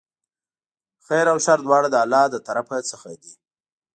خیر او شر دواړه د الله له طرفه څخه دي.